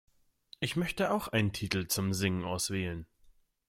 Ich möchte auch einen Titel zum Singen auswählen.